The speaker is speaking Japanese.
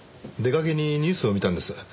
出掛けにニュースを見たんです。